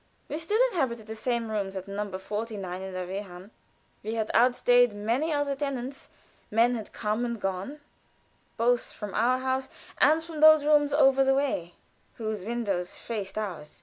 We still inhabited the same rooms at No. 45, in the Wehrhahn. We had outstayed many other tenants; men had come and gone, both from our house and from those rooms over the way whose windows faced ours.